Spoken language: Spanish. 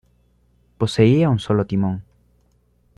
Poseía un solo timón.